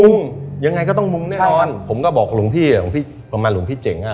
มุ่งยังไงก็ต้องมุ่งแน่นอนผมก็บอกหลวงพี่ประมาณหลวงพี่เจ๋งอะ